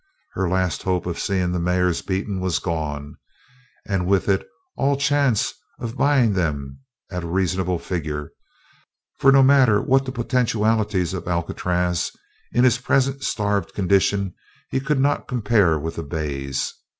Her last hope of seeing the mares beaten was gone, and with it all chance of buying them at a reasonable figure; for no matter what the potentialities of Alcatraz in his present starved condition he could not compare with the bays.